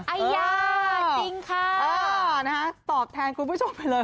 อัยยะจริงค่ะนะฮะตอบแทนคุณผู้ชมไปเลย